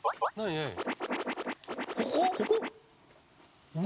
ここ？